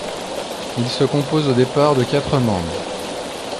Il se compose au départ de quatre membres.